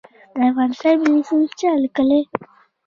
د افغانستان ملي سرود چا لیکلی؟